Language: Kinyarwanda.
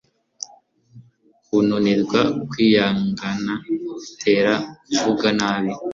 kunanirwa kwihangana bitera kuvuga nabi